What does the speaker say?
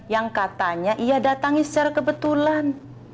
yang katanya ia datangi secara kebetulan